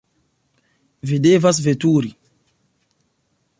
Vi devas veturi!